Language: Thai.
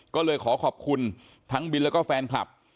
ก็เลยขอขอบคุณทั้งบินแล้วก็แฟนคลับ